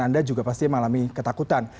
anda juga pasti mengalami ketakutan